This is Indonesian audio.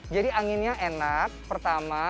jadi anginnya enak pertama